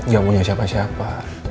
gak punya siapa siapa